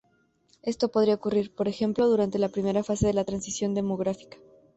Esto podría ocurrir, por ejemplo, durante la primera fase de la transición demográfica.